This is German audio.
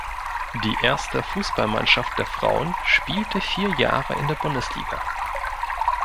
Die erste Fußballmannschaft der Frauen spielte vier Jahre in der Bundesliga.